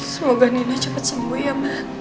semoga nino cepat sembuh ya mak